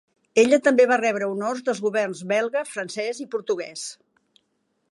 Ella també va rebre honors dels governs belga, francès i portuguès.